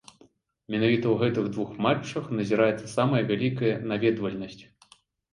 Менавіта ў гэтых двух матчах назіраецца самая вялікая наведвальнасць.